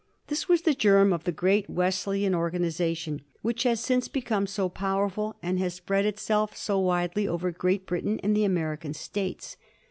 This was the germ of the great Wesley an organization, which has since become so powerful, and has spread itself so widely over Great Britain and the American States.